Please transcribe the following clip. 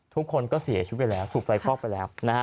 ทุกคนก็เสียชีวิตไปแล้วถูกไฟคลอกไปแล้วนะฮะ